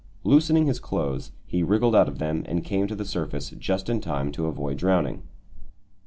Loosening his clothes, he wriggled out of them and came to the surface just in time to avoid drowning.